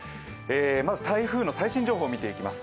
まず台風の最新情報を見ていきます。